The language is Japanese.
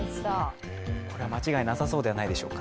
間違いなさそうではないでしょうか。